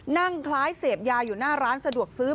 นั่งคล้ายเสพยาอยู่หน้าร้านสะดวกซื้อ